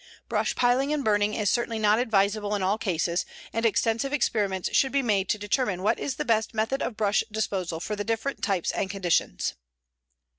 Brush piling and burning is certainly not advisable in all cases, and extensive experiments should be made to determine what is the best method of brush disposal for the different types and conditions.